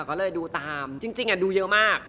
ก็เลยดูตามจริงดูเยอะมาก